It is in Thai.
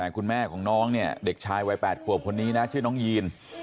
คุณแม่ของน้องเนี่ยเด็กชายวัย๘ขวบคนนี้นะชื่อน้องยีน